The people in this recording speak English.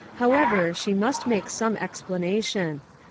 However, she must make some explanation.